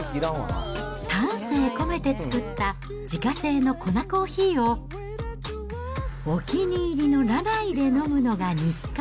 丹精込めて作った自家製のコナコーヒーをお気に入りのラナイで飲むのが日課。